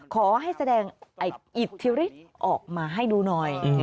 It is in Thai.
ขอให้แสดงไอ้อิทธิ์ออกมาให้ดูหน่อย